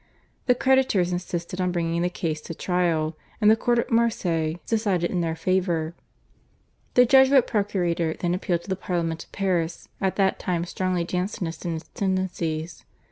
The creditors insisted on bringing the case to trial, and the court at Marseilles decided in their favour. The Jesuit procurator then appealed to the Parliament of Paris, at that time strongly Jansenist in its tendencies.